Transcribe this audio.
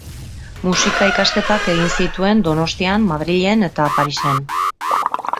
Musika ikasketak egin zituen Donostian, Madrilen eta Parisen.